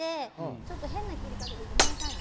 ちょっと変な切り方でごめんなさいね。